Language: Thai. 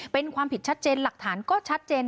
เป็นความผิดชัดเจนหลักฐานก็ชัดเจน